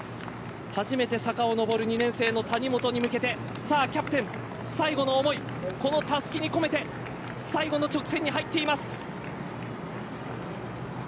初めて坂を上る２年生の谷本に向けてさあ、キャプテン最後の思いこのたすきに込めて最後の直線に入っています。